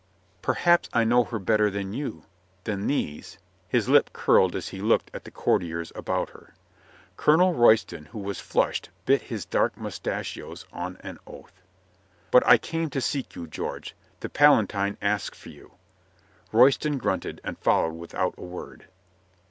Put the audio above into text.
"Perhaps I know her better than you, than these —" his lip curled as he looked at the courtiers about her. Colonel Royston, who was flushed, bit his dark moustachios on an oath. "But I came to seek you, George. The Palatine asks for you." Royston grunted and followed without a word.